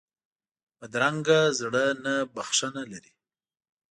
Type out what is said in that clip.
بدرنګه زړه نه بښنه لري